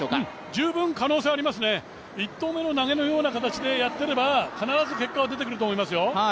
十分可能性はありますね、１投目の投げのような形でやってれば必ず結果は出てくると思いますよ。